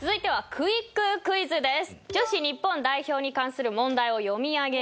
クイッククイズです。